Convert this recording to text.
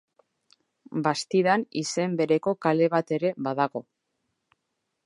Bastidan izen bereko kale bat ere badago.